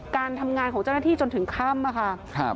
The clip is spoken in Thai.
การทำงานของเจ้าหน้าที่จนถึงค่ำค่ะ